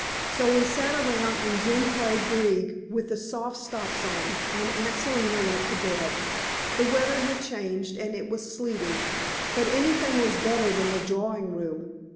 So we sat around and Jim played Grieg with the soft stops on, and Aunt Selina went to bed. The weather had changed, and it was sleeting, but anything was better than the drawing room.